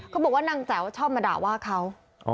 บอกว่านางแจ๋วชอบมาด่าว่าเขา